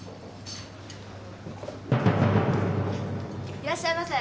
いらっしゃいませ。